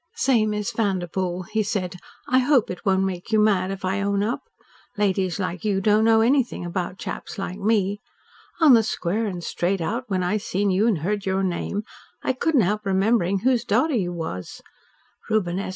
"Say, Miss Vanderpoel," he said, "I hope it won't make you mad if I own up. Ladies like you don't know anything about chaps like me. On the square and straight out, when I seen you and heard your name I couldn't help remembering whose daughter you was. Reuben S.